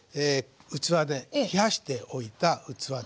器で冷やしておいた器です。